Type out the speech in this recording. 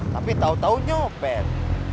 tapi tau tau nyopet